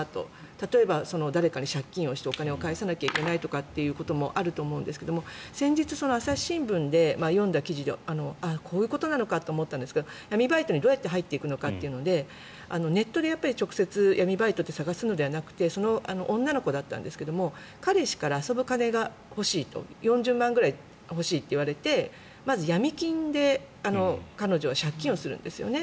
例えば、誰かに借金をしてお金を返さなきゃいけないということもあると思うんですけど先日、朝日新聞で読んだ記事でこういうことなのかと思ったんですが闇バイトにどうやって入っていくのかってことでネットでやっぱり直接闇バイトと探すのではなくて女の子だったんですが彼氏から、遊ぶ金が欲しいと４０万くらい欲しいって言われてまずヤミ金で彼女は借金をするんですよね。